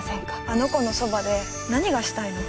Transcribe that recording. あの子のそばで何がしたいの？